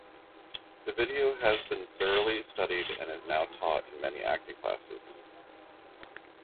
The video has been thoroughly studied and is now taught in many acting classes.